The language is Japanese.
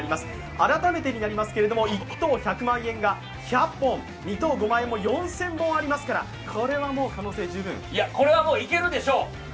改めてになりますが、１等１００万円が１００本、２等５万円が４０００本ありますからこれはもういけるでしょ。